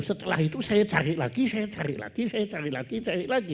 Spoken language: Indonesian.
setelah itu saya cari lagi saya cari lagi saya cari lagi cari lagi